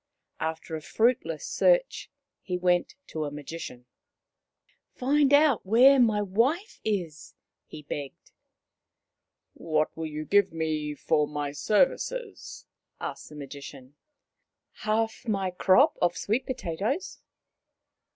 After a fruitless search he went to a Magician. " Find out where my wife is," he begged. " What will you give me for my services ? M asked the Magician. " Half my crop of sweet potatoes."